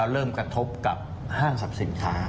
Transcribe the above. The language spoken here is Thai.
เริ่มกระทบกับห้างสรรพสินค้า